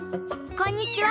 こんにちは。